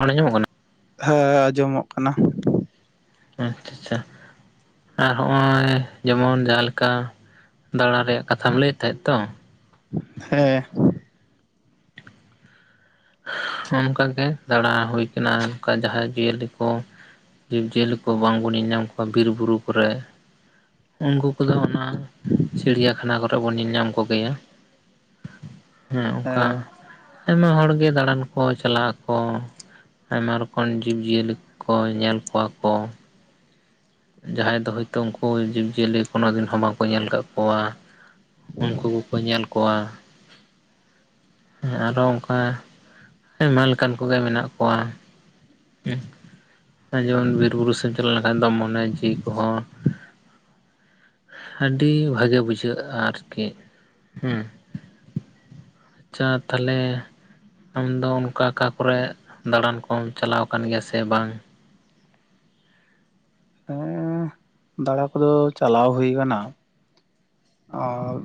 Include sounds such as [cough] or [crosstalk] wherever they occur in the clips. ᱨᱚᱲ ᱟᱸᱡᱚᱜ ᱠᱟᱱᱟ ᱦᱮᱸ ᱟᱸᱡᱚᱢᱚᱜ ᱠᱟᱱᱟ ᱟᱪᱷᱟ ᱪᱷᱟ ᱟᱨ ᱦᱚᱸᱜᱼᱚᱭ ᱡᱮᱢᱚᱱ ᱡᱟᱦᱟᱸ ᱞᱮᱠᱟ ᱫᱟᱸᱲᱟ ᱨᱮᱭᱟᱜ ᱠᱟᱛᱷᱟᱢ ᱞᱟᱹᱭᱮᱫ ᱛᱟᱦᱮᱸᱜ ᱛᱚ ᱦᱮᱸ ᱚᱱᱠᱟᱜᱮ ᱫᱟᱸᱲᱟ ᱦᱩᱭ ᱠᱟᱱᱟ ᱚᱝᱠᱟ ᱡᱟᱦᱟᱸᱭ ᱡᱤᱭᱟᱹᱞᱤ ᱠᱚ ᱡᱤᱵᱽᱡᱤᱭᱟᱹᱞᱤ ᱠᱚ ᱵᱟᱝᱵᱚᱱ ᱧᱤᱧᱟᱢ ᱠᱚᱣᱟ ᱵᱤᱨ ᱵᱩᱨᱩ ᱠᱚᱨᱮ ᱩᱱᱠᱩ ᱠᱚᱫᱚ ᱚᱱᱟ ᱪᱤᱲᱤᱭᱟᱠᱷᱟᱱᱟ ᱠᱚᱨᱮ ᱵᱚᱱ ᱧᱤᱧᱟᱢ ᱠᱚᱜᱮᱭᱟ ᱦᱮᱸ ᱚᱝᱠᱟ ᱟᱭᱢᱟ ᱦᱚᱲ ᱜᱮ ᱫᱟᱸᱬᱟᱱ ᱠᱚ ᱪᱟᱞᱟᱜ ᱟᱠᱚ ᱟᱭᱢᱟ ᱨᱚᱠᱚᱢ ᱡᱤᱵᱽ ᱡᱤᱭᱟᱹᱞᱤ ᱠᱚ ᱧᱮᱞ ᱠᱚᱣᱟ ᱠᱚ ᱡᱟᱦᱟᱸᱭ ᱫᱚ ᱦᱚᱭᱛᱚ ᱩᱱᱠᱩ ᱡᱤᱵᱽ ᱡᱤᱭᱟᱹᱞᱤ ᱠᱳᱱᱳ ᱫᱤᱱ ᱦᱚᱸ ᱵᱟᱝᱠᱚ ᱧᱮᱞ ᱠᱟᱜ ᱠᱚᱣᱟ ᱩᱱᱠᱩ ᱠᱚᱠᱚ ᱧᱮᱞ ᱠᱚᱣᱟ ᱦᱮᱸ ᱟᱨᱦᱚᱸ ᱚᱝᱠᱟ ᱟᱭᱢᱟ ᱞᱮᱠᱟᱱ ᱠᱚᱜᱮ ᱢᱮᱱᱟᱜ ᱠᱚᱣᱟ [inaudible] ᱡᱮᱢᱚᱱ ᱵᱤᱨ ᱵᱩᱨᱩ ᱥᱮᱫ ᱮᱢ ᱪᱟᱞᱟᱣ ᱞᱮᱱᱠᱷᱟᱱ ᱟᱫᱚᱢ ᱢᱚᱱᱮ ᱡᱤᱣᱤ ᱠᱚᱦᱚᱸ ᱟᱹᱰᱤ ᱵᱷᱟᱜᱮ ᱵᱩᱡᱷᱟᱹᱜᱼᱟ ᱟᱨᱠᱤ ᱦᱩᱸ ᱟᱪᱪᱷᱟ ᱛᱟᱦᱞᱮ ᱟᱢ ᱫᱚ ᱚᱱᱠᱟ ᱚᱠᱟ ᱠᱚᱨᱮᱫ ᱫᱟᱬᱟᱱ ᱠᱚᱢ ᱪᱟᱞᱟᱣ ᱟᱠᱟᱱ ᱜᱮᱭᱟ ᱥᱮ ᱵᱟᱝ ᱦᱮᱸ ᱫᱟᱬᱟ ᱠᱚᱫᱚ ᱪᱟᱞᱟᱣ ᱦᱩᱭ ᱠᱟᱱᱟ ᱚ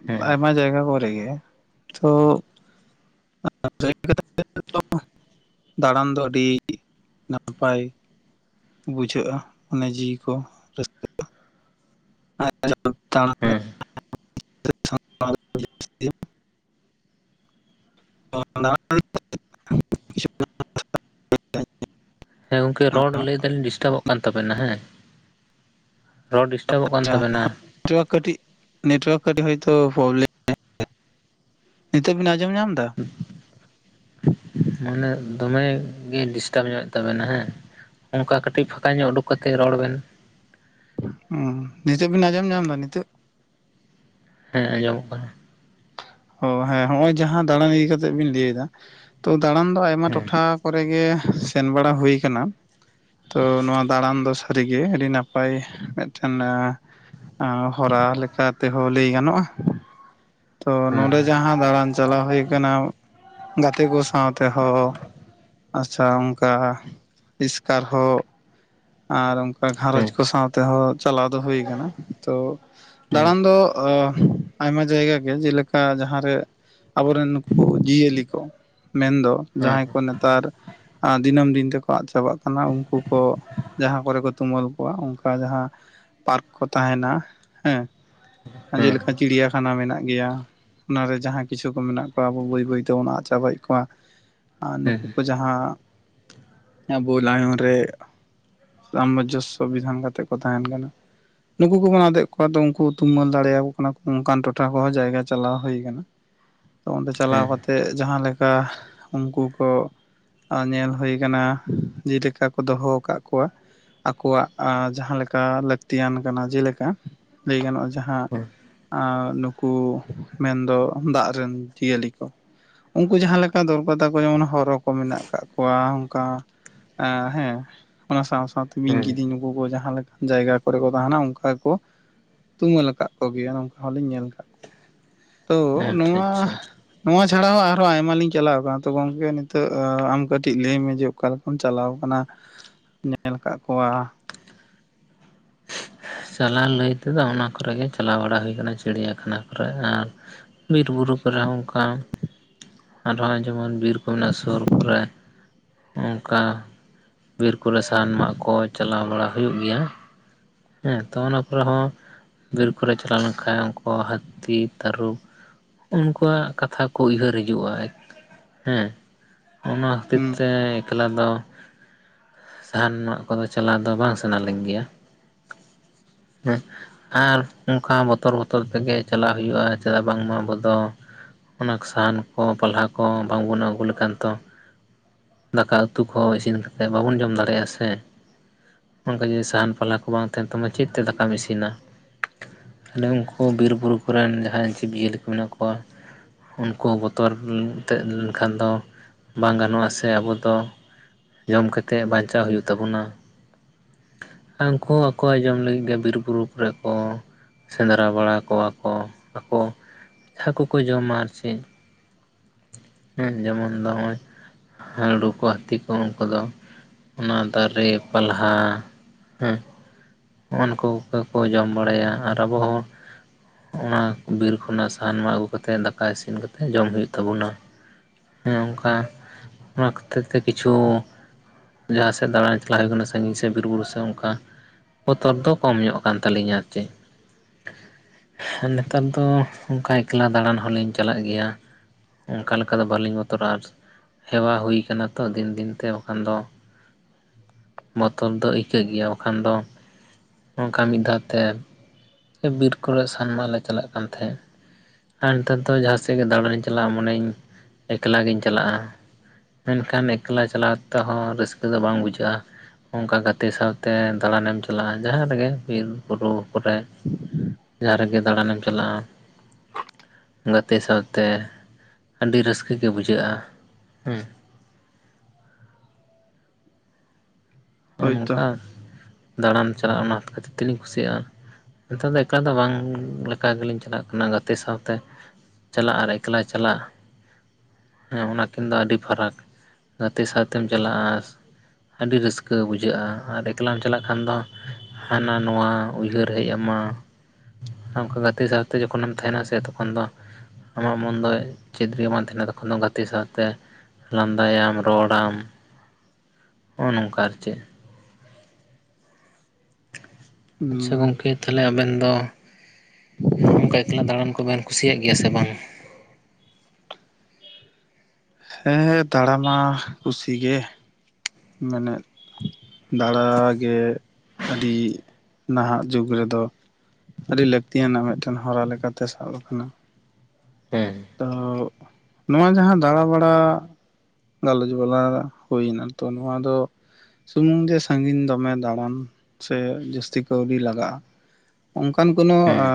ᱦᱮᱸ ᱟᱭᱢᱟ ᱡᱟᱭᱜᱟ ᱠᱚᱨᱮ ᱜᱮ ᱛᱚ [inaudible] ᱫᱟᱬᱟᱱ ᱫᱚ ᱟᱹᱰᱤ ᱱᱟᱯᱟᱭ ᱵᱩᱡᱷᱟᱹᱜᱼᱟ ᱢᱚᱱᱮ ᱡᱤᱣᱤ ᱠᱚ ᱨᱟᱹᱥᱠᱟᱹᱜᱼᱟ [inaudible] [unintelligible] [unintelligible] ᱦᱮᱸ ᱜᱚᱢᱠᱮ ᱨᱚᱲ ᱞᱟᱹᱭ ᱫᱟᱞᱤᱧ ᱰᱤᱥᱴᱟᱵᱚᱜ ᱠᱟᱱ ᱛᱟᱵᱮᱱᱟ ᱦᱮᱸ ᱨᱚᱲ ᱰᱤᱥᱴᱟᱵᱚᱜ ᱠᱟᱱ ᱛᱟᱵᱮᱱᱟ ᱱᱮᱴᱣᱟᱨᱠ ᱠᱟᱹᱴᱤᱡ ᱱᱮᱴᱳᱣᱟᱨᱠ ᱠᱟᱹᱴᱤᱡ ᱦᱚᱭᱛᱳ ᱯᱨᱚᱵᱞᱮᱢ ᱱᱤᱛᱚᱜ ᱵᱤᱱ ᱟᱸᱡᱚᱢ ᱧᱟᱢ ᱫᱟ ᱢᱟᱱᱮ ᱫᱚᱢᱮᱜ ᱜᱮ ᱰᱤᱥᱴᱟᱵᱽ ᱧᱚᱜᱮᱫ ᱛᱟᱵᱮᱱᱟ ᱦᱮᱸ ᱚᱱᱠᱟ ᱠᱟᱹᱴᱤᱡ ᱯᱷᱟᱸᱠᱟ ᱧᱚᱜ ᱳᱰᱳᱠ ᱠᱟᱛᱮ ᱨᱚᱲ ᱵᱮᱱ ᱳ ᱱᱤᱛᱚᱜ ᱵᱤᱱ ᱟᱸᱡᱚᱢ ᱧᱟᱢ ᱫᱟ ᱱᱤᱛᱟ. ᱜ ᱦᱮᱸ ᱟᱸᱡᱚᱢᱚᱜ ᱠᱟᱱᱟ ᱚ ᱦᱮᱸ ᱦᱚᱜ ᱚᱭ ᱡᱟᱦᱟᱸ ᱫᱟᱬᱟᱱ ᱤᱫᱤ ᱠᱟᱛᱮᱜ ᱵᱤᱱ ᱞᱟᱹᱭ ᱫᱟ ᱛᱚ ᱫᱟᱬᱟᱱ ᱫᱚ ᱟᱭᱢᱟ ᱦᱮᱸ ᱴᱚᱴᱷᱟ ᱠᱚᱨᱮ ᱜᱮ ᱥᱮᱱ ᱵᱟᱲᱟ ᱦᱩᱭ ᱟᱠᱟᱱᱟ ᱛᱚ ᱱᱚᱣᱟ ᱫᱟᱬᱟᱱ ᱫᱚ ᱥᱟᱹᱨᱤᱜᱮ ᱟᱹᱰᱤ ᱱᱟᱯᱟᱭ ᱢᱤᱫᱴᱮᱱ ᱮ ᱦᱚᱨᱟ ᱞᱮᱠᱟᱛᱮᱦᱚᱸ ᱞᱟᱹᱭ ᱜᱟᱱᱚᱜᱼᱟ ᱛᱚ ᱱᱚᱰᱮ ᱦᱮᱸ ᱡᱟᱦᱟᱸ ᱫᱟᱬᱟᱱ ᱪᱟᱞᱟᱣ ᱦᱩᱭ ᱠᱟᱱᱟ ᱜᱟᱛᱮ ᱠᱚ ᱥᱟᱶ ᱛᱮᱦᱚᱸ ᱟᱪᱪᱷᱟ ᱚᱱᱠᱟ ᱮᱥᱠᱟᱨ ᱦᱚᱸ ᱟᱨ ᱚᱱᱠᱟ ᱜᱷᱟᱨᱚᱸᱡᱽ ᱠᱚ ᱥᱟᱶ ᱛᱮᱦᱚᱸ ᱪᱟᱞᱟᱣ ᱫᱚ ᱦᱩᱭ ᱠᱟᱱᱟ ᱛᱚ ᱦᱮᱸ ᱫᱟᱬᱟᱱ ᱫᱚ ᱚ ᱟᱭᱢᱟ ᱡᱟᱭᱜᱟ ᱜᱮ ᱡᱮᱞᱮᱠᱟ ᱡᱟᱦᱟᱸ ᱨᱮ ᱟᱵᱚᱨᱮᱱ ᱱᱩᱠᱩ ᱡᱤᱭᱟᱹᱞᱤ ᱠᱚ ᱢᱮᱱᱫᱚ ᱦᱮᱸ ᱡᱟᱦᱟᱸᱭ ᱠᱚ ᱱᱮᱛᱟᱨ ᱫᱤᱱᱟᱹᱢ ᱫᱤᱱ ᱛᱮᱠᱚ ᱟᱫ ᱪᱟᱵᱟᱜ ᱠᱟᱱᱟ ᱩᱱᱠᱩ ᱠᱚ ᱡᱟᱦᱟᱸ ᱠᱚᱨᱮ ᱠᱚ ᱛᱩᱢᱟᱹᱞ ᱠᱚᱣᱟ ᱚᱱᱠᱟ ᱡᱟᱦᱟᱸ ᱯᱟᱨᱠ ᱠᱚ ᱛᱟᱦᱮᱱᱟ ᱦᱮᱸ ᱦᱮᱸ ᱦᱮᱸ ᱡᱮᱞᱮᱠᱟ ᱪᱤᱲᱤᱭᱟᱠᱷᱟᱱᱟ ᱢᱮᱱᱟᱜ ᱜᱮᱭᱟ ᱚᱱᱟᱨᱮ ᱡᱟᱦᱟᱸ ᱠᱤᱪᱷᱩ ᱠᱚ ᱢᱮᱱᱟᱜ ᱠᱚᱣᱟ ᱟᱵᱚ ᱵᱟᱹᱭ ᱵᱟᱹᱭ ᱛᱮᱵᱚᱱ ᱟᱫ ᱪᱟᱵᱟᱭᱮᱫ ᱠᱚᱣᱟ ᱟᱨ ᱦᱮᱸ ᱱᱩᱠᱩ ᱠᱚ ᱡᱟᱦᱟᱸ ᱟᱵᱚ ᱞᱟᱭᱚᱝ ᱨᱮ ᱥᱟᱢᱚᱡᱚᱥᱥᱚ ᱵᱤᱫᱷᱟᱱ ᱠᱟᱛᱮᱫ ᱠᱚ ᱛᱟᱦᱮᱱ ᱠᱟᱱᱟ ᱱᱩᱠᱩ ᱠᱚᱵᱚᱱ ᱟᱫᱮᱜ ᱠᱚᱣᱟ ᱛᱚ ᱩᱱᱠᱩ ᱛᱩᱢᱟᱹᱞ ᱫᱟᱲᱮᱭᱟᱠᱚ ᱠᱟᱱᱟ ᱠᱚ ᱚᱱᱠᱟᱱ ᱴᱚᱴᱷᱟ ᱠᱚᱦᱚᱸ ᱡᱟᱭᱜᱟ ᱪᱟᱞᱟᱣ ᱦᱩᱭ ᱠᱟᱱᱟ ᱛᱚ ᱚᱸᱰᱮ ᱪᱟᱞᱟᱣ ᱦᱮᱸ ᱠᱟᱛᱮᱫ ᱡᱟᱦᱟᱸ ᱞᱮᱠᱟ ᱩᱱᱠᱩ ᱠᱚ ᱟᱨ ᱧᱮᱞ ᱦᱩᱭ ᱟᱠᱟᱱᱟ ᱡᱮᱞᱮᱠᱟ ᱠᱚ ᱫᱚᱦᱚ ᱠᱟᱜ ᱠᱚᱣᱟ, ᱟᱠᱚᱣᱟᱜ ᱡᱟᱦᱟᱸ ᱞᱮᱠᱟ ᱞᱟᱹᱠᱛᱤᱭᱟᱱ ᱠᱟᱱᱟ, ᱡᱮᱞᱮᱠᱟ ᱞᱟᱹᱭ ᱜᱟᱱᱚᱜᱼᱟ ᱡᱟᱦᱟᱸ ᱦᱩᱸ ᱟᱸ, ᱱᱩᱠᱩ ᱢᱮᱱᱫᱚ ᱫᱟᱜ ᱨᱮᱱ ᱡᱤᱭᱟᱹᱞᱤ ᱠᱚ ᱩᱱᱠᱩ ᱡᱟᱦᱟᱸ ᱞᱮᱠᱟ ᱫᱚᱨᱠᱟᱨ ᱛᱟᱠᱚ ᱡᱮᱢᱚᱱ ᱦᱚᱨᱚ ᱠᱚ ᱢᱮᱱᱟᱜ ᱠᱟᱜ ᱠᱚᱣᱟ ᱚᱱᱠᱟ ᱟᱸᱻ ᱦᱮᱸ ᱚᱱᱟ ᱥᱟᱶ ᱥᱟᱶᱛᱮ ᱵᱤᱧ ᱦᱩᱸ ᱠᱤᱫᱤᱧ ᱱᱩᱠᱩ ᱠᱚ ᱡᱟᱦᱟᱸ ᱞᱮᱠᱟ ᱡᱟᱭᱜᱟ ᱠᱚᱨᱮ ᱠᱚ ᱛᱟᱦᱮᱱᱟ ᱚᱱᱠᱟ ᱠᱚ ᱛᱩᱢᱟᱹᱞ ᱟᱠᱟᱫ ᱠᱚᱜᱮᱭᱟ ᱱᱚᱝᱠᱟ ᱦᱚᱸᱞᱤᱧ ᱧᱮᱞ ᱟᱠᱟᱫ ᱠᱚᱣᱟ, ᱛᱚ ᱟᱪᱪᱷᱟ ᱱᱚᱣᱟ ᱟᱪᱪᱷᱟ ᱱᱚᱣᱟ ᱪᱷᱟᱲᱟ ᱦᱚᱸ ᱟᱨᱦᱚᱸ ᱟᱭᱢᱟ ᱞᱤᱧ ᱪᱟᱞᱟᱣ ᱟᱠᱟᱱᱟ, ᱛᱚ ᱜᱚᱝᱠᱮ ᱱᱤᱛᱚᱜ ᱟᱢ ᱠᱟᱹᱴᱤᱡ ᱞᱟᱹᱭ ᱢᱮ ᱡᱮ ᱚᱠᱟ ᱞᱮᱠᱟᱢ ᱪᱟᱞᱟᱣ ᱟᱠᱟᱱᱟ, ᱧᱮᱞ ᱟᱠᱟᱫ ᱠᱚᱣᱟ ᱾ ᱪᱟᱞᱟᱣ ᱞᱟᱹᱭ ᱛᱮᱫᱚ ᱚᱱᱟ ᱠᱚᱨᱮᱜ ᱪᱟᱞᱟᱣ ᱵᱟᱲᱟ ᱦᱩᱭ ᱟᱠᱟᱱᱟ ᱪᱤᱲᱭᱟᱠᱷᱟᱱᱟ ᱠᱚᱨᱮ ᱟᱨ ᱵᱤᱨᱵᱩᱨᱩ ᱠᱚᱨᱮ ᱦᱚᱸ ᱚᱱᱠᱟ, ᱟᱨᱦᱚᱸ ᱡᱮᱢᱚᱱ ᱵᱤᱨ ᱠᱚ ᱢᱮᱱᱟᱜᱼᱟ ᱥᱩᱨ ᱠᱚᱨᱮ ᱚᱱᱠᱟ ᱵᱤᱨ ᱠᱚᱨᱮ ᱥᱟᱦᱟᱱ ᱢᱟᱜ ᱠᱚ ᱪᱟᱞᱟᱣ ᱵᱟᱲᱟ ᱦᱩᱭᱩᱜ ᱜᱮᱭᱟ ᱦᱮᱸ ᱛᱚ ᱚᱱᱟ ᱠᱚᱨᱮ ᱦᱚᱸ, ᱵᱤᱨ ᱠᱚᱨᱮ ᱪᱟᱞᱟᱣ ᱞᱮᱱᱠᱷᱟᱡ ᱩᱱᱠᱩ ᱦᱟᱹᱛᱤ, ᱛᱟᱹᱨᱩᱵ ᱩᱱᱠᱩᱣᱟᱜ ᱠᱟᱛᱷᱟ ᱠᱚ ᱩᱭᱦᱟᱹᱨ ᱦᱤᱡᱩᱜᱼᱟ ᱦᱮᱸ ᱚᱱᱟ ᱠᱷᱟᱹᱛᱤᱨ ᱦᱩᱸ ᱛᱮ ᱮᱠᱞᱟ ᱫᱚ ᱥᱟᱦᱟᱱ ᱢᱟᱜ ᱠᱚᱫᱚ ᱪᱟᱞᱟᱣ ᱫᱚ ᱵᱟᱝ ᱥᱟᱱᱟ ᱞᱤᱧ ᱜᱮᱭᱟ ᱦᱮᱸ ᱟᱨ ᱚᱱᱠᱟ ᱵᱚᱛᱚᱨ-ᱵᱚᱛᱚᱨ ᱛᱮᱜᱮ ᱪᱟᱞᱟᱜ ᱦᱩᱭᱩᱜᱼᱟ ᱪᱮᱫᱟᱜ ᱵᱟᱝᱢᱟ ᱟᱵᱚ ᱫᱚ ᱚᱱᱟᱠᱚ ᱥᱟᱦᱟᱱ ᱠᱚ, ᱯᱟᱞᱦᱟ ᱠᱚ, ᱵᱟᱝᱵᱚᱱ ᱟᱹᱜᱩ ᱞᱮᱠᱷᱟᱱ ᱛᱚ ᱫᱟᱠᱟ ᱩᱛᱩ ᱠᱚ ᱤᱥᱤᱱ ᱠᱟᱛᱮ ᱵᱟᱵᱚᱱ ᱡᱚᱢ ᱫᱟᱲᱮᱜᱼᱟ ᱥᱮ, ᱚᱱᱠᱟ ᱡᱩᱫᱤ ᱥᱟᱦᱟᱱ, ᱯᱟᱞᱦᱟ ᱠᱚ ᱵᱟᱝ ᱛᱟᱦᱮᱱ ᱛᱟᱢᱟ ᱪᱮᱫ ᱛᱮ ᱫᱟᱠᱟᱢ ᱤᱥᱤᱱᱟ ᱚᱱᱮ ᱩᱱᱠᱩ ᱵᱤᱨᱼᱵᱩᱨᱩ ᱠᱚᱨᱮᱱ ᱡᱟᱦᱟᱸᱭ ᱡᱤᱵ-ᱡᱤᱭᱟᱹᱞᱤ ᱠᱚ ᱢᱮᱱᱟᱜ ᱠᱚᱣᱟ ᱩᱱᱠᱩ ᱵᱚᱛᱚᱨ [unintelligible] ᱞᱮᱱᱠᱷᱟᱱ ᱫᱚ ᱵᱟᱝ ᱜᱟᱱᱚᱜᱼᱟ ᱥᱮ ᱟᱵᱚᱫᱚ ᱡᱚᱢ ᱠᱟᱛᱮ ᱵᱟᱧᱪᱟᱣ ᱦᱩᱭᱩᱜ ᱛᱟᱵᱳᱱᱟ, ᱩᱱᱠᱟ ᱟᱠᱚᱣ ᱟ ᱡᱚᱢ ᱞᱟᱹᱜᱤᱫ ᱜᱮ ᱵᱤᱨ ᱵᱩᱨᱩ ᱠᱚᱨᱮ ᱠᱚ ᱥᱮᱸᱫᱽᱨᱟ ᱵᱟᱲᱟ ᱠᱚᱣᱟ ᱠᱚ ᱾ ᱟᱠᱚ ᱾ ᱦᱟᱹᱠᱩ ᱠᱚ ᱡᱚᱢᱟ ᱟᱨ ᱪᱮᱫ ᱦᱮᱸ ᱡᱮᱢᱚᱱ ᱱᱚᱜᱼᱚᱭ ᱦᱟᱹᱲᱩ ᱠᱚ, ᱦᱟᱹᱛᱤ ᱠᱚ, ᱩᱱᱠᱩ ᱫᱚ᱾ ᱚᱱᱟ ᱫᱟᱨᱮ ᱯᱟᱞᱦᱟ ᱦᱮᱸ ᱩᱱᱠᱩ ᱩᱠᱟᱠᱩ ᱡᱚᱢ ᱵᱟᱲᱟᱭᱟ ᱟᱨ ᱟᱵᱚ ᱦᱚᱸ ᱚᱱᱟ ᱵᱤᱨ ᱠᱷᱚᱱᱟᱜ ᱥᱟᱦᱟᱱ ᱢᱟᱜ ᱟᱹᱜᱩ ᱠᱟᱛᱮ ᱫᱟᱠᱟ ᱤᱥᱤᱱ ᱠᱟᱛᱮᱜ ᱡᱚᱢ ᱦᱳᱭᱳᱜ ᱛᱟᱵᱚᱱᱟ, ᱦᱮᱸ ᱚᱱᱠᱟ ᱚᱱᱟ ᱠᱷᱟᱹᱛᱤᱨ ᱛᱮ ᱠᱤᱪᱷᱩ ᱡᱟᱦᱟ ᱥᱮᱫ ᱫᱟᱬᱟᱱ ᱪᱟᱞᱟᱣ ᱦᱩᱭ ᱠᱟᱱᱟ ᱥᱮ ᱥᱟᱺᱜᱤᱧ ᱥᱮ ᱵᱤᱨ ᱵᱩᱨᱩ ᱥᱮ ᱚᱱᱠᱟ ᱵᱚᱛᱚᱨ ᱫᱚ ᱠᱚᱢ ᱧᱚᱜ ᱠᱟᱱ ᱛᱟᱹᱞᱤᱧᱟ ᱟᱨ ᱪᱮᱫ ᱱᱮᱛᱟᱨ ᱫᱚ ᱚᱱᱠᱟ ᱮᱠᱞᱟ ᱫᱟᱬᱟᱱ ᱦᱚᱞᱤᱧ ᱪᱟᱞᱟᱜ ᱜᱮᱭᱟ, ᱚᱱᱠᱟ ᱞᱮᱠᱟ ᱫᱚ ᱵᱟᱹᱞᱤᱧ ᱵᱚᱛᱚᱨᱟ ᱟᱨ ᱦᱮᱣᱟ ᱦᱩᱭ ᱠᱟᱱᱟ ᱛᱚ ᱫᱤᱱ ᱫᱤᱱ ᱛᱮ ᱵᱟᱠᱷᱟᱱ ᱫᱚ ᱵᱚᱛᱚᱨ ᱫᱚ ᱟᱹᱭᱠᱟᱹᱜ ᱜᱮᱭᱟ ᱵᱟᱠᱷᱟᱱ ᱫᱚ ᱚᱱᱠᱟ ᱢᱤᱫ ᱫᱷᱟᱣᱛᱮ ᱵᱤᱨ ᱠᱚᱨᱮᱜ ᱥᱟᱦᱟᱱ ᱢᱟᱜ ᱞᱮ ᱪᱟᱞᱟᱜ ᱠᱟᱱ ᱛᱟᱦᱮᱸᱫ ᱾ ᱟᱨ ᱱᱮᱛᱟᱨ ᱫᱚ ᱡᱟᱦᱟᱸ ᱥᱮᱫ ᱜᱮ ᱫᱟᱬᱟᱱᱤᱧ ᱪᱟᱞᱟᱜᱼᱟ ᱢᱚᱱᱮᱤᱧ ᱮᱠᱞᱟᱜᱤᱧ ᱪᱟᱞᱟᱜᱼᱟ, ᱢᱮᱱᱠᱷᱟᱱ ᱮᱠᱞᱟ ᱪᱟᱞᱟᱣ ᱛᱮᱦᱚᱸ ᱨᱟᱹᱥᱠᱟᱹ ᱫᱚ ᱵᱟᱝ ᱵᱩᱡᱷᱟᱹᱜᱼᱟ, ᱚᱱᱠᱟ ᱜᱟᱛᱮ ᱥᱟᱶᱛᱮ ᱫᱟᱬᱟᱱ ᱮᱢ ᱪᱟᱞᱟᱜᱼᱟ ᱡᱟᱦᱟᱸ ᱨᱮᱜᱮ ᱵᱤᱨᱵᱩᱨᱩ ᱠᱚᱨᱮ, ᱡᱟᱦᱟᱸ ᱨᱮᱜᱮ ᱫᱟᱬᱟᱱᱮᱢ ᱪᱟᱞᱟᱜᱼᱟ, ᱜᱟᱛᱮ ᱥᱟᱶᱛᱮ ᱟᱹᱰᱤ ᱨᱟᱹᱥᱠᱟᱹᱜ ᱜᱮ ᱵᱩᱡᱷᱟᱹᱜᱼᱟ, ᱦᱳᱭᱛᱚ ᱩᱱᱠᱟ ᱫᱟᱬᱟᱱ ᱪᱟᱞᱟᱜᱼᱟ ᱚᱱᱟ ᱠᱷᱟᱹᱛᱤᱨ ᱛᱮᱞᱤᱧ ᱠᱩᱥᱤᱭᱟᱜᱼᱟ, ᱱᱮᱛᱟᱨ ᱫᱚ ᱮᱠᱟᱞ ᱫᱚ ᱵᱟᱝ ᱞᱮᱠᱟ ᱜᱮᱞᱤᱧ ᱪᱟᱞᱟᱜ ᱠᱟᱱᱟ ᱜᱟᱛᱮ ᱥᱟᱶᱛᱮ, ᱪᱟᱞᱟᱜ ᱟᱨ ᱮᱠᱞᱟ ᱪᱟᱞᱟᱜ ᱦᱮᱸ ᱚᱱᱟ ᱠᱤᱱ ᱫᱚ ᱟᱹᱰᱤ ᱯᱷᱟᱨᱟᱠ ᱜᱟᱛᱮ ᱥᱟᱶᱛᱮᱢ ᱪᱟᱞᱟᱜᱼᱟ ᱟᱹᱰᱤ ᱨᱟᱹᱥ ᱠᱟᱹ ᱵᱩᱡᱷᱟᱹᱜᱼᱟ, ᱟᱨ ᱮᱠᱞᱟᱢ ᱪᱟᱞᱟᱜ ᱠᱷᱟᱱ ᱫᱚ ᱦᱟᱱᱟ ᱱᱚᱣᱟ ᱩᱭᱦᱟᱹᱨ ᱦᱮᱡ ᱟᱢᱟ, ᱩᱱᱠᱩ ᱜᱟᱛᱮ ᱥᱟᱶᱛᱮ ᱡᱚᱠᱷᱚᱱᱮᱢ ᱛᱟᱦᱮᱱᱟ ᱥᱮ ᱛᱚᱠᱷᱚᱱ ᱫᱚ ᱟᱢᱟᱜ ᱢᱚᱱ ᱫᱚ ᱪᱮᱫ ᱨᱮ ᱵᱟᱝ ᱛᱟᱦᱮᱱᱟ ᱛᱚᱠᱷᱚᱱ ᱫᱚ ᱜᱟᱛᱮ ᱥᱟᱶᱛᱮ ᱞᱟᱸᱫᱟᱭᱟᱢ ᱨᱚᱲᱟᱢ ᱦᱚᱦᱚ ᱱᱚᱝᱠᱟ ᱟᱨ ᱪᱮᱫ ᱟᱪᱪᱷᱟ ᱦᱩᱸ ᱜᱚᱝᱠᱮ ᱛᱟᱦᱚᱞᱮ ᱟᱵᱮᱱ ᱫᱚ ᱚᱱᱠᱟ ᱮᱠᱞᱟ ᱫᱟᱬᱟᱱ ᱠᱚᱵᱮᱱ ᱠᱩᱥᱤᱭᱟᱜ ᱜᱮᱭᱟ ᱥᱮ ᱵᱟᱝ ᱦᱮᱸ ᱦᱮᱸ ᱫᱟᱬᱟ ᱢᱟ ᱠᱩᱥᱤ ᱜᱮ ᱢᱮᱱᱮᱫ ᱫᱟᱬᱟ ᱜᱮ ᱟᱹᱰᱤ ᱱᱟᱦᱟᱜ ᱡᱩᱜᱽ ᱨᱮᱫᱚ ᱟᱹᱰᱤ ᱞᱟᱹᱠᱛᱤᱭᱟᱱᱟᱜ ᱢᱤᱫᱴᱮᱱ ᱦᱚᱨᱟ ᱞᱮᱠᱟ ᱛᱮ ᱥᱟᱵ ᱟᱠᱟᱱᱟ ᱦᱮᱸ ᱛᱚ ᱱᱚᱣᱟ ᱡᱟᱦᱟᱸ ᱫᱟᱬᱟᱵᱟᱲᱟ ᱜᱟᱞᱚᱪ ᱵᱟᱞᱟ ᱦᱩᱭ ᱮᱱᱟ ᱛᱚ ᱱᱚᱣᱟ ᱫᱚ ᱥᱩᱢᱩᱝ ᱡᱮ ᱥᱟᱺᱜᱤᱧ ᱫᱚᱢᱮ ᱫᱟᱬᱟᱱ ᱥᱮ ᱡᱟᱹᱥᱛᱤ ᱠᱟᱹᱣᱰᱤ ᱞᱟᱜᱟᱜᱼᱟ ᱚᱝᱠᱟᱱ ᱠᱳᱱᱚ ᱦᱮᱸ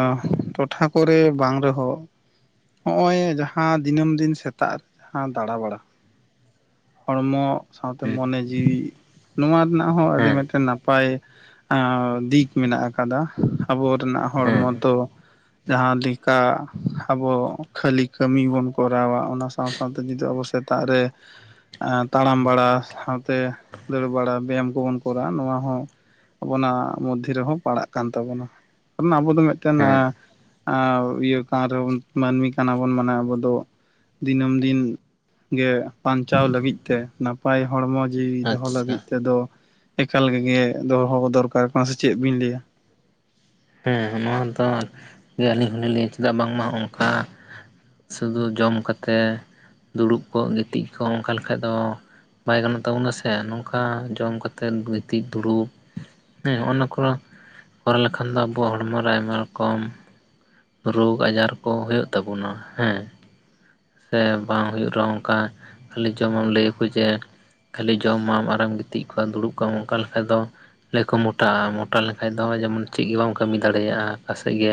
ᱴᱚᱴᱷᱟ ᱠᱚᱨᱮ ᱵᱟᱝ ᱨᱮᱦᱚᱸ ᱦᱚᱜᱼᱚᱭ ᱡᱟᱦᱟᱸ ᱫᱤᱱᱟᱹᱢ ᱫᱤᱱ ᱥᱮᱛᱟᱜ ᱡᱟᱦᱟᱸ ᱫᱟᱬᱟᱵᱟᱲᱟ᱾ ᱦᱚᱲᱢᱚ ᱥᱟᱶᱛᱮ ᱦᱮᱸ ᱢᱚᱱᱮ ᱡᱤᱣᱤ ᱱᱚᱣᱟ ᱨᱮᱱᱟᱜ ᱦᱚᱸ ᱟᱹᱰᱤ ᱦᱮᱸ ᱢᱤᱫᱴᱮᱱ ᱱᱟᱯ ᱟᱭ ᱫᱤᱠ ᱢᱮᱱᱟᱜ ᱟᱠᱟᱫᱟ ᱟᱵᱚ ᱨᱮᱱᱟᱜ ᱦᱮᱸ ᱦᱚᱲᱢᱚ ᱛᱚ ᱡᱟᱦᱟᱸ ᱞᱮᱠᱟ ᱟᱵᱚ ᱠᱷᱟᱹᱞᱤ ᱠᱟᱹᱢᱤ ᱵᱚᱱ ᱠᱚᱨᱟᱣᱟ ᱚᱱᱟ ᱥᱟᱶ ᱥᱟᱶᱛᱮ ᱡᱩᱫᱤ ᱟᱵᱚ ᱥᱮᱛᱟᱜ ᱨᱮ ᱛᱟᱲᱟᱢ ᱵᱟᱲᱟ ᱥᱟᱶᱛᱮ ᱫᱟᱹᱲ ᱵᱟᱲᱟ ᱵᱮᱭᱟᱢ ᱠᱚᱵᱚᱱ ᱠᱚᱨᱟᱣᱟ ᱱᱚᱣᱟ ᱦᱚᱸ ᱟᱵᱚᱱᱟᱜ ᱢᱚᱫᱽᱫᱷᱮ ᱨᱮᱦᱚᱸ ᱯᱟᱲᱟᱜ ᱠᱟᱱ ᱛᱟᱵᱚᱱᱟ ᱟᱵᱚ ᱫᱚ ᱢᱤᱫᱴᱮᱱ ᱦᱮᱸ ᱟᱣ ᱤᱭᱟᱹ ᱠᱟᱱ ᱨᱮᱦᱚ ᱵᱚᱱ ᱢᱟᱹᱱᱢᱤ ᱠᱟᱱᱟ ᱵᱚᱱ ᱢᱟᱱᱮ ᱟᱵᱚ ᱫᱚ ᱫᱤᱱᱟᱹᱢ ᱫᱤᱱ ᱜᱮ ᱵᱟᱧᱪᱟᱣ ᱞᱟᱹᱜᱤᱫ ᱛᱮ ᱱᱟᱯᱟᱭ ᱦᱚᱲᱢᱚ ᱡᱤᱣᱤ ᱫᱚᱦᱚ ᱟᱪᱪᱷᱟ ᱞᱟᱹᱜᱤᱫ ᱛᱮᱫᱚ ᱮᱠᱟᱞ ᱜᱮ ᱫᱚᱦᱚ ᱫᱚᱨᱠᱟᱨ ᱠᱟᱱᱟ ᱥᱮ ᱪᱮᱫ ᱵᱤᱱ ᱞᱟᱹᱭᱟ ᱦᱮᱸ ᱦᱮᱸ ᱱᱚᱣᱟ ᱫᱚ ᱟᱹᱞᱤᱧ ᱦᱚᱸᱞᱤᱧ ᱞᱟᱹᱭᱟ ᱪᱮᱫᱟᱜ ᱵᱟᱝᱢᱟ ᱚᱱᱠᱟ ᱥᱩᱫᱷᱩ ᱡᱚᱢ ᱠᱟᱛᱮᱫ ᱫᱩᱲᱩᱵ ᱠᱚᱜ ᱜᱤᱛᱤᱡ ᱠᱚᱜ ᱚᱱᱠᱟ ᱞᱮᱠᱷᱟᱡ ᱫᱚ ᱵᱟᱭ ᱜᱟᱱᱚᱜ ᱛᱟᱵᱚᱱᱟ ᱥᱮ ᱱᱚᱝᱠᱟ ᱡᱚᱢ ᱠᱟᱛᱮᱫ ᱜᱤᱛᱤᱡ ᱫᱩᱲᱩᱵ ᱦᱮᱸ ᱱᱚᱦᱼᱚ ᱱᱟ ᱠᱚᱨᱟᱣ ᱠᱚᱨᱟᱣ ᱞᱮᱠᱷᱟᱱ ᱫᱚ ᱟᱵᱚᱣᱟᱜ ᱦᱚᱲᱢᱚ ᱟᱭᱢᱟ ᱨᱚᱠᱚᱢ ᱨᱳᱜᱽ ᱟᱡᱟᱨ ᱠᱚ ᱦᱳᱭᱳᱜ ᱛᱟᱵᱚᱱᱟ ᱦᱮᱸ ᱥᱮ ᱵᱟᱝ ᱦᱩᱭᱩᱜ ᱨᱮᱦᱚᱸ ᱚᱱᱠᱟ ᱠᱷᱟᱹᱞᱤ ᱡᱚᱢᱟᱢ ᱞᱟᱹᱭ ᱟᱠᱚ ᱡᱮ ᱠᱷᱟᱹᱞᱤ ᱡᱚᱢᱟᱢ ᱟᱨᱮᱢ ᱜᱤᱛᱤᱡ ᱠᱚᱣᱟ ᱫᱩᱲᱩᱵ ᱠᱚᱜ ᱟᱢ ᱚᱱᱠᱟ ᱞᱮᱠᱟ-ᱡ ᱫᱚ ᱞᱟᱹᱭ ᱟᱠᱚ ᱢᱚᱴᱟᱜᱼᱟ ᱢᱚᱴᱟ ᱞᱮᱱᱠᱷᱟᱡ ᱫᱚ ᱡᱮᱢᱚᱱ ᱪᱮᱫ ᱜᱮ ᱵᱟᱢ ᱠᱟᱹᱢᱤ ᱫᱟᱲᱮᱭᱟᱜᱼᱟ ᱚᱠᱟ ᱥᱮᱫ ᱜᱮ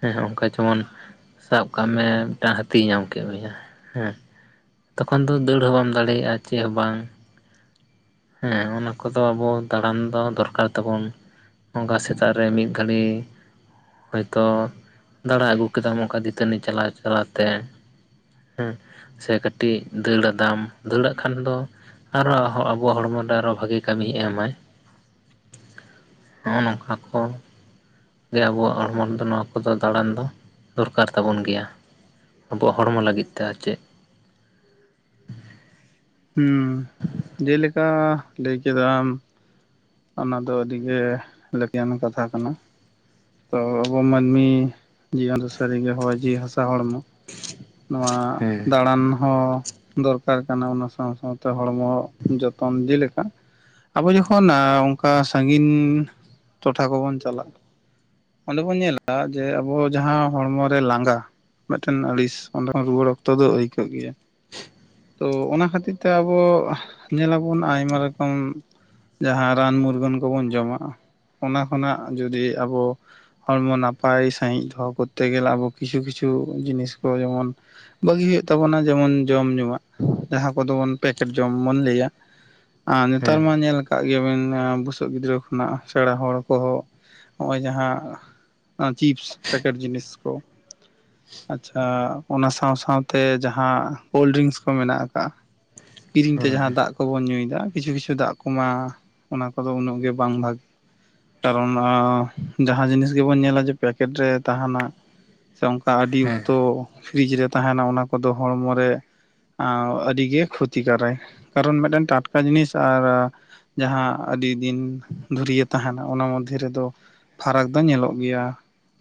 ᱦᱮᱸ ᱚᱱᱠᱟ ᱡᱮᱢᱚᱱ ᱥᱟᱵ ᱠᱟᱜ ᱢᱮ ᱢᱤᱫᱴᱟᱝ ᱦᱟᱹᱛᱤᱭ ᱧᱟᱢ ᱠᱮᱫ ᱢᱮᱭᱟ ᱦᱮᱸ ᱛᱚᱠᱷᱚᱱ ᱫᱚ ᱫᱟᱹᱲ ᱦᱚᱸ ᱵᱟᱢ ᱫᱟᱲᱮᱭᱟᱜᱼᱟ ᱪᱮᱫ ᱦᱚᱸ ᱵᱟᱝ ᱦᱮᱸ ᱚᱱᱟ ᱠᱚᱫᱚ ᱟᱵᱚ ᱫᱟᱬᱟᱱ ᱫᱚ ᱫᱚᱨᱠᱟᱨ ᱛᱟᱵᱚᱱ ᱚᱱᱠᱟ ᱥᱮᱛᱟᱜ ᱨᱮ ᱢᱤᱫ ᱜᱷᱟᱹᱲᱤ ᱦᱚᱳᱭᱛᱳ ᱫᱟᱬᱟ ᱟᱹᱜᱩ ᱠᱮᱫᱟᱢ ᱚᱱᱠᱟ ᱫᱟᱹᱛᱟᱹᱱᱤ ᱪᱟᱞᱟᱜ ᱪᱟᱞᱟᱜ ᱛᱮ ᱦᱮᱸ ᱥᱮ ᱠᱟᱹᱴᱤᱡ ᱫᱟᱹᱲ ᱟᱫᱟᱢ ᱫᱟᱹᱲᱟᱜ ᱠᱷᱟᱱ ᱫᱚ ᱟᱨᱚ ᱟᱵᱚᱣᱟᱜ ᱦᱚᱲᱢᱚ ᱨᱮ ᱟᱨᱚ ᱵᱷᱟᱜᱤ ᱠᱟᱹᱢᱤ ᱮᱢᱟᱭ ᱱᱚᱜ-ᱚ ᱱᱚᱝᱠᱟ ᱠᱚ ᱜᱮ ᱟᱵᱚᱣᱟᱜ ᱦᱚᱲᱢᱚ ᱨᱮᱫᱚ ᱱᱚᱣᱟ ᱠᱚᱫᱚ ᱫᱟᱬᱟᱱ ᱫᱚ ᱫᱚᱨᱠᱟᱨ ᱛᱟᱵᱚᱱ ᱜᱮᱭᱟ ᱟᱵᱚᱣᱟᱜ ᱦᱚᱲᱢᱚ ᱞᱟᱹᱜᱤᱫ ᱛᱮ ᱟᱨ ᱪᱮᱫ ᱦᱮᱸ ᱡᱮᱞᱮᱠᱟ ᱞᱟᱹᱭ ᱠᱮᱫᱟᱢ ᱚᱱᱟ ᱫᱚ ᱟᱹᱰᱤ ᱜᱮ ᱞᱟᱹᱠᱛᱤᱭᱟᱱ ᱠᱟᱛᱷᱟ ᱠᱟᱱᱟ ᱛᱚ ᱟᱵᱚ ᱢᱟᱹᱱᱢᱤ ᱡᱤᱭᱚᱱ ᱥᱟᱹᱨᱤ ᱜᱮ ᱦᱚᱭ ᱡᱤᱣᱤ ᱦᱟᱥᱟ ᱦᱚᱲᱢᱚ ᱱᱚᱣᱟ ᱫᱟᱬᱟᱱ ᱦᱚᱸ ᱫᱚᱨᱠᱟᱨ ᱠᱟᱱᱟ ᱚᱱᱟ ᱥᱟᱶ ᱥᱟᱶᱛᱮ ᱦᱚᱲᱢᱚ ᱡᱚᱛᱚᱱ ᱡᱮᱞᱮᱠᱟ ᱟᱵᱚ ᱡᱚᱠᱷᱚᱱ ᱟ ᱚᱱᱠᱟ ᱥᱟᱺᱜᱤᱧ ᱴᱚᱴᱷᱟ ᱠᱚᱵᱚᱱ ᱪᱟᱞᱟᱜᱼᱟ ᱚᱸᱰᱮ ᱵᱚᱱ ᱧᱮᱞᱟ ᱡᱮ ᱟᱵᱚ ᱡᱟᱦᱟ ᱦᱚᱲᱢᱚ ᱨᱮ ᱞᱟᱸᱜᱟ ᱢᱤᱫᱴᱮᱱ ᱟᱹᱲᱤᱥ ᱚᱸᱰᱮ ᱠᱷᱚᱱ ᱨᱩᱣᱟᱹᱲ ᱚᱠᱛᱚ ᱫᱚ ᱟᱹᱭᱠᱟᱹᱜ ᱜᱮᱭᱟ ᱛᱚ ᱚᱱᱟ ᱠᱷᱟᱹᱛᱤᱨ ᱛᱮ ᱟᱵᱚ ᱧᱮᱞ ᱟᱵᱚᱱ ᱟᱭᱢᱟ ᱨᱚᱠᱚᱢ ᱡᱟᱦᱟ ᱨᱟᱱ ᱢᱩᱨᱜᱟᱹᱱ ᱠᱚᱵᱚᱱ ᱡᱚᱢᱟ ᱚᱱᱟ ᱠᱷᱚᱱᱟᱜ ᱡᱩᱫᱤ ᱟᱵᱚ ᱦᱚᱲᱢᱚ ᱱᱟᱯᱟᱭ ᱥᱟᱺᱦᱤᱡ ᱫᱚᱦᱚ ᱠᱚᱨᱛᱮ ᱜᱮᱞᱮ ᱟᱵᱚ ᱠᱤᱪᱷᱩ ᱠᱤᱪᱷᱩ ᱡᱤᱱᱤᱥ ᱠᱚ ᱡᱮᱢᱚᱱ ᱵᱷᱟᱹᱜᱤ ᱦᱩᱭᱩᱜ ᱛᱟᱵᱚᱱᱟ ᱡᱮᱢᱚᱱ ᱡᱚᱢ ᱧᱩᱣᱟᱜ ᱡᱟᱦᱟᱸ ᱠᱚᱫᱚ ᱵᱚᱱ ᱯᱮᱠᱮᱴ ᱡᱚᱢ ᱵᱚᱱ ᱞᱟᱹᱭᱟ [inaudible] ᱟᱨ ᱱᱮᱛᱟᱨ ᱢᱟ ᱧᱮᱞ ᱟᱠᱟᱫ ᱜᱮᱭᱟᱵᱮᱱ ᱮᱸ ᱵᱩᱥᱟᱹᱜ ᱜᱤᱫᱽᱨᱟᱹ ᱠᱷᱚᱱᱟᱜ ᱥᱮᱬᱟ ᱦᱚᱲ ᱠᱚᱦᱚᱸ ᱦᱚᱜ ᱚᱭ ᱡᱟᱦᱟᱸ ᱪᱤᱯᱥ ᱯᱮᱠᱮᱴ ᱡᱤᱱᱤᱥ ᱠᱚ ᱟᱪᱪᱷᱟ ᱚᱱᱟ ᱥᱟᱶ ᱥᱟᱶᱛᱮ ᱡᱟᱦᱟᱸ ᱠᱳᱞ ᱰᱨᱤᱝᱥ ᱠᱚ ᱢᱮᱱᱟᱜ ᱟᱠᱟᱜ-ᱟ ᱠᱤᱨᱤᱧ ᱛᱮ ᱡᱟᱦᱟᱸ ᱫᱟᱜ ᱠᱚᱵᱚᱱ ᱧᱩᱭᱫᱟ ᱠᱤᱪᱷᱩ ᱠᱤᱪᱷᱩ ᱫᱟᱜ ᱠᱚᱢᱟ ᱚᱱᱟ ᱠᱚᱫᱚ ᱩᱱᱟᱹᱜ ᱜᱮ ᱵᱟᱝ ᱵᱷᱟ ᱠᱟᱨᱚᱱ ᱡᱟᱦᱟᱸ ᱡᱤᱱᱤᱥ ᱜᱮᱵᱚᱱ ᱧᱮᱞᱟ ᱡᱮ ᱯᱮᱠᱮᱴ ᱨᱮ ᱛᱟᱦᱮᱱᱟ ᱥᱮ ᱚᱝᱠᱟ ᱟᱹᱰᱤ ᱚᱠᱛᱷᱚ ᱯᱷᱨᱤᱡᱽ ᱨᱮ ᱛᱟᱦᱮᱱᱟ ᱚᱱᱟ ᱠᱚᱫᱚ ᱦᱚᱲᱢᱚ ᱨᱮ ᱟᱻ ᱟᱹᱰᱤᱜᱮ ᱠᱷᱚᱛᱤ ᱠᱟᱨᱟᱭ ᱠᱟᱨᱚᱱ ᱢᱮᱴᱮᱱ ᱴᱟᱴᱠᱟ ᱡᱤᱱᱤᱥ ᱟᱨ ᱡᱟᱦᱟᱸ ᱟᱹᱰᱤ ᱫᱤᱱ ᱫᱷᱩᱨᱭᱟᱹ ᱛᱟᱦᱮᱱᱟ ᱚᱱᱟ ᱢᱚᱫᱽᱫᱷᱮ ᱨᱮᱫᱚ ᱯᱷᱟᱨᱟᱠ ᱫᱚ ᱧᱮᱞᱚᱜ ᱜᱮᱭᱟ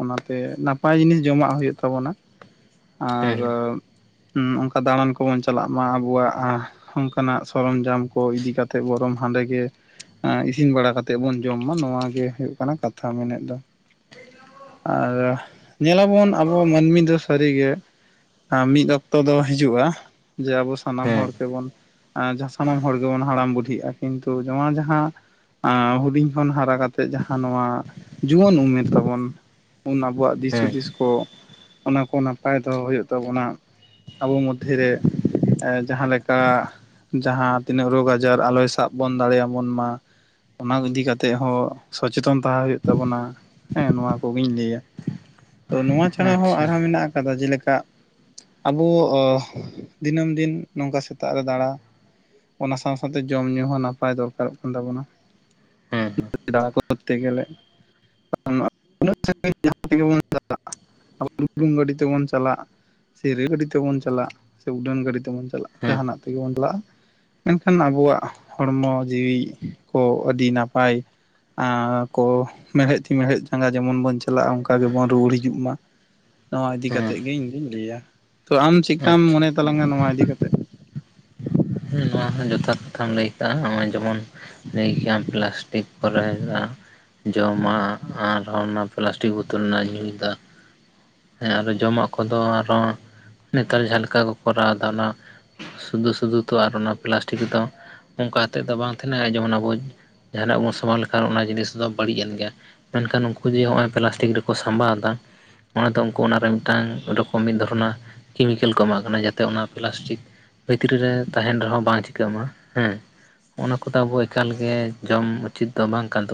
ᱚᱱᱟᱛᱮ ᱱᱟᱯᱟᱭ ᱡᱤᱱᱤᱥ ᱡᱚᱢᱟᱜ ᱦᱩᱭᱩᱜ ᱛᱟᱵᱚᱱᱟ ᱟᱨ ᱦᱮᱸ ᱚᱱᱠᱟ ᱫᱟᱬᱟᱱ ᱠᱚᱵᱚᱱ ᱪᱟᱞᱟᱜ ᱢᱟ ᱟᱵᱚᱣᱟᱜ ᱚᱝᱠᱟᱱᱟᱜ ᱥᱚᱨᱚᱢ ᱡᱟᱢ ᱠᱚ ᱤᱫᱤ ᱠᱟᱛᱮᱫ ᱵᱚᱨᱚᱝ ᱦᱟᱸᱰᱮ ᱜᱮ ᱮ ᱤᱥᱤᱱ ᱵᱟᱲᱟ ᱠᱟᱛᱮᱫ ᱵᱚᱱ ᱡᱚᱢ ᱢᱟ ᱱᱚᱣᱟ ᱜᱮ ᱦᱩᱭᱩᱜ ᱠᱟᱱᱟ ᱠᱟᱛᱷᱟ ᱢᱚᱱᱮᱫ ᱫᱚ ᱟᱨ ᱧᱮᱞᱟᱵᱚᱱ ᱟᱵᱚ ᱢᱟᱹᱱᱢᱤ ᱫᱚ ᱥᱟᱹᱨᱤᱜᱮ ᱦᱟᱸ ᱢᱤᱫ ᱚᱠᱛᱚ ᱫᱚ ᱦᱤᱡᱩᱜᱼᱟ ᱡᱮ ᱟᱵᱚ ᱥᱟᱱᱟᱢ ᱦᱮᱸ ᱦᱚᱲ ᱜᱮᱵᱚᱱ ᱟᱸ ᱡᱟᱦᱟᱸ ᱥᱟᱱᱟᱢ ᱦᱚᱲ ᱜᱮᱵᱚᱱ ᱦᱟᱲᱟᱢ ᱵᱩᱰᱷᱤᱜᱼᱟ ᱠᱤᱱᱛᱩ ᱱᱚᱣᱟ ᱡᱟᱦᱟᱸ ᱟᱸ ᱦᱩᱰᱤᱧ ᱠᱷᱚᱱ ᱦᱟᱨᱟ ᱠᱟᱛᱮᱜ ᱡᱟᱦᱟᱸ ᱱᱚᱣᱟ ᱡᱩᱣᱟᱹᱱ ᱩᱢᱮᱨ ᱛᱟᱵᱚᱱ ᱩᱱ ᱟᱵᱚᱣᱟᱜ ᱫᱤᱥ ᱦᱮᱸ ᱦᱩᱫᱤᱥ ᱠᱚ ᱚᱱᱟ ᱠᱚ ᱱᱟᱯᱟᱭ ᱫᱚᱦᱚ ᱦᱩᱭᱩᱜ ᱛᱟᱵᱚᱱᱟ ᱟᱵᱚ ᱢᱚᱫᱽᱫᱷᱮ ᱨᱮ, ᱮᱸ ᱡᱟᱦᱟᱸ ᱞᱮᱠᱟ ᱡᱟᱦᱟᱸ ᱛᱤᱱᱟᱹᱜ ᱨᱳᱜᱽ ᱟᱡᱟᱨ ᱟᱞᱚᱭ ᱥᱟᱵ ᱵᱚᱱ ᱫᱟᱲᱮᱭᱟ ᱵᱚᱱ ᱢᱟ, ᱚᱱᱟ ᱠᱚ ᱤᱫᱤ ᱠᱟᱛᱮᱫ ᱦᱚᱸ ᱥᱚᱪᱮᱛᱚᱱ ᱛᱟᱦᱮᱸ ᱦᱩᱭᱩᱜ ᱛᱟᱵᱚᱱᱟ, ᱦᱮᱸ ᱱᱚᱣᱟ ᱠᱚᱜᱤᱧ ᱞᱟᱹᱭᱟ ᱛᱚ ᱱᱚᱣᱟ ᱪᱷᱟᱲᱟ ᱦᱚᱸ ᱟᱪᱪᱷᱟ ᱟᱨᱦᱚᱸ ᱢᱮᱱᱟᱜ ᱟᱠᱟᱫᱟ ᱡᱮᱞᱮᱠᱟ ᱟᱵᱚ ᱫᱤᱱᱟᱹᱢ ᱫᱤᱱ ᱱᱚᱝᱠᱟ ᱥᱮᱛᱟᱜ ᱨᱮ ᱫᱟᱬᱟ, ᱚᱱᱟ ᱥᱟᱶ ᱥᱟᱶᱛᱮ ᱡᱚᱢ ᱧᱩ ᱦᱚᱸ ᱱᱟᱯᱟᱭ ᱫᱚᱨᱠᱟᱨᱚᱜ ᱠᱟᱱ ᱛᱟᱵᱚᱱᱟ, ᱦᱮᱸ [unintelligible] ᱛᱮ ᱜᱮ ᱞᱮ [unintelligible] [unintelligible] ᱟᱵᱚ ᱰᱩᱞᱩᱝ ᱜᱟᱹᱰᱤ ᱛᱮᱵᱚᱱ ᱪᱟᱞᱟᱜ ᱥᱮ ᱨᱮᱞ ᱜᱟᱹᱰᱤ ᱛᱮᱵᱚᱱ ᱪᱟᱞᱟᱜ ᱥᱮ ᱩᱰᱟᱹᱱ ᱜᱟᱹᱰᱤ ᱛᱮᱵᱚᱱ ᱪᱟᱞᱟᱜ, ᱦᱮᱸ ᱡᱟᱦᱟᱱᱟᱜ ᱛᱮᱜᱮ ᱵᱚᱱ ᱞᱟᱜ ᱟ ᱢᱮᱱᱠᱷᱟᱱ ᱟᱵᱚᱣᱟᱜ ᱦᱚᱲᱢᱚ ᱡᱤᱣᱤ ᱠᱚ ᱟᱹᱰᱤ ᱱᱟᱯᱟᱭ ᱟᱸ ᱠᱚ, ᱢᱮᱲᱦᱮᱫ ᱛᱤ ᱢᱮᱲᱦᱮᱫ ᱡᱟᱸᱜᱟ ᱡᱮᱢᱚᱱ ᱵᱚᱱ ᱪᱟᱞᱟᱜᱼᱟ ᱚᱱᱠᱟ ᱜᱮᱵᱚᱱ ᱨᱩᱣᱟᱹᱲ ᱦᱤᱡᱩᱜ ᱢᱟ, ᱱᱚᱣᱟ ᱤᱫᱤ ᱦᱮᱸ ᱠᱟᱛᱮᱫ ᱜᱮ ᱤᱧ ᱫᱩᱧ ᱞᱟᱹᱭᱟ ᱛᱚ ᱟᱢ ᱪᱮᱠᱟᱢ ᱟᱪᱪᱷᱟ ᱢᱚᱱᱮ ᱛᱟᱞᱟᱝᱟ ᱱᱚᱣᱟ ᱤᱫᱤ ᱠᱟᱛᱮᱫ, ᱱᱚᱣᱟ ᱦᱚᱸ ᱡᱚᱛᱷᱟᱛ ᱠᱟᱛᱷᱟᱢ ᱞᱟᱹᱭ ᱠᱟᱜᱼᱟ ᱱᱚᱜ-ᱚᱭ ᱡᱮᱢᱚᱱ ᱞᱟᱹᱭ ᱠᱮᱭᱟᱢ ᱯᱮᱞᱟᱥ ᱴᱤᱠ ᱠᱚᱨᱮ [unintelligible] ᱡᱚᱢᱟᱜ ᱟᱨᱦᱚᱸ ᱚᱱᱟ ᱯᱮᱞᱟᱥᱴᱤᱠ ᱵᱳᱛᱳᱞ ᱨᱮᱱᱟᱜ ᱧᱩᱭ ᱫᱟᱜ, ᱦᱮᱸ ᱟᱨᱦᱚ ᱡᱚᱢᱟᱜ ᱠᱚᱫᱚ ᱟᱨ ᱦᱚᱸ ᱱᱮᱛᱟᱨ ᱡᱟᱦᱟᱸ ᱞᱮᱠᱟ ᱠᱚ ᱠᱚᱨᱟᱣ ᱫᱟ ᱚᱱᱟ ᱥᱩᱫᱩ ᱥᱩᱫᱩ ᱛᱚ ᱟᱨ ᱚᱱᱟ ᱯᱮᱞᱟᱥᱴᱤᱠ ᱨᱮᱫᱚ ᱚᱝᱠᱟ ᱛᱮᱫ ᱫᱚ ᱵᱟᱝ ᱛᱷᱮᱱᱟ ᱡᱮᱢᱚᱱ ᱟᱵᱚᱡ, ᱡᱟᱦᱟᱱᱟᱜ ᱵᱚᱱ ᱥᱟᱢᱟ ᱞᱮᱠᱷᱟᱱ ᱚᱱᱟ ᱡᱤᱱᱤᱥ ᱫᱚ ᱵᱟᱹᱲᱤᱡ ᱮᱱ ᱜᱮ ᱢᱮᱱᱠᱷᱟᱱ ᱩᱱᱠᱩ ᱡᱮ ᱦᱚᱜᱼᱚᱭ ᱯᱮᱞᱟᱥᱴᱤᱠ ᱨᱮᱠᱚ ᱥᱟᱢᱵᱟᱣ ᱫᱟ, ᱚᱱᱟᱛᱮ ᱩᱝᱠᱩ ᱚᱱᱟᱨᱮ ᱢᱤᱫᱴᱟᱝ ᱨᱚᱠᱚᱢ ᱢᱤᱫ ᱫᱷᱚᱨᱚᱱᱟᱜ ᱠᱮᱢᱤᱠᱮᱞ ᱠᱚ ᱮᱢᱟᱜ ᱠᱟᱱᱟ ᱡᱟᱛᱮ ᱚᱱᱟ ᱯᱮᱞᱟᱥᱴᱤᱠ ᱵᱷᱤᱛᱨᱤ ᱨᱮ ᱛᱟᱦᱮᱱ ᱨᱮᱦᱚᱸ ᱵᱟᱝ ᱪᱤᱠᱟᱹᱜ ᱢᱟ ᱦᱮᱸ, ᱚᱱᱟ ᱠᱚᱫᱚ ᱟᱵᱚ ᱮᱠᱟᱞ ᱜᱮ ᱡᱚᱢ ᱩᱪᱤᱛ ᱫᱚ ᱵᱟᱝ ᱠᱟᱱ ᱛᱟᱵᱚ,